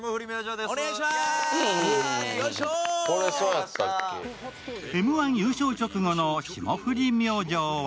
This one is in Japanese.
そして「Ｍ−１」優勝直後の霜降り明星は